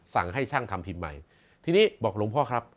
สั่งให้ช่างทำพิมพ์ใหม่ทีนี้บอกหลวงพ่อครับ